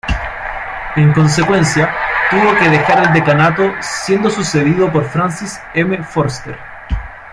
En consecuencia, tuvo que dejar el decanato, siendo sucedido por Francis M. Forster.